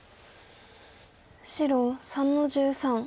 白３の十三。